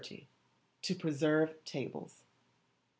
To Preserve Tables.